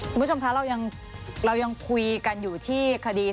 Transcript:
คุณผู้ชมคะเรายังคุยกันอยู่ที่คดี